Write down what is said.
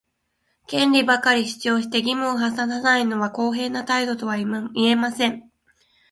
権利ばかり主張して、義務を果たさないのは公平な態度とは言えません。